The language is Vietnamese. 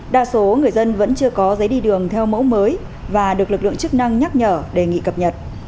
đa số người dân vẫn chưa có giấy đi đường theo mẫu mới và được lực lượng chức năng nhắc nhở đề nghị cập nhật